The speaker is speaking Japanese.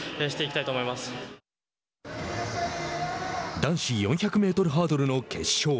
男子４００メートルハードルの決勝。